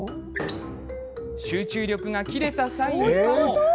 集中力が切れたサインかも。